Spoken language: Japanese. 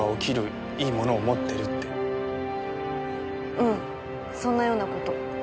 うんそんなような事。